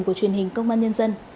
của truyền hình công an nhân dân